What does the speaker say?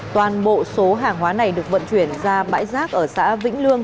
toàn bộ số hàng hóa này được vận chuyển ra bãi rác ở xã vĩnh lương